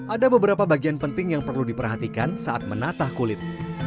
ada beberapa bagian penting yang perlu diperhatikan saat menatah kulit